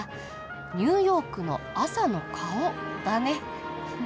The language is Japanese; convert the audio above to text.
ニューヨークの朝の顔だね。